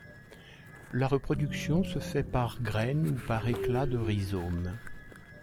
La reproduction se fait par graines ou par éclat de rhizome.